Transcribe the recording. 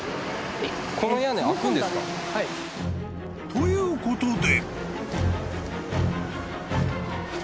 ということで］